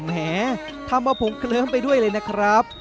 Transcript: แหมทำเอาผมเคลิ้มไปด้วยเลยนะครับ